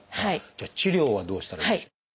じゃあ治療はどうしたらいいでしょう？